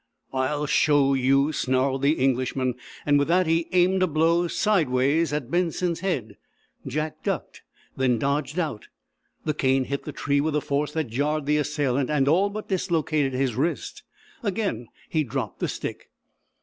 "I'll show you!" snarled the Englishman. With that he aimed a blow, sideways, at Benson's head Jack ducked, then dodged out. The cane hit the tree with a force that jarred the assailant and all but dislocated his wrist. Again he dropped the stick.